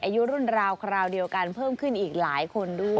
อายุรุ่นราวคราวเดียวกันเพิ่มขึ้นอีกหลายคนด้วย